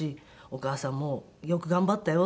「お母さんもうよく頑張ったよ」